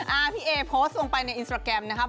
อ่าพี่เอโพสต์ลงไปในอินสตราแกรมนะครับ